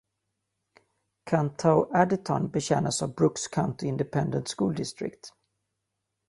Cantu Addition betjänas av Brooks County Independent School District.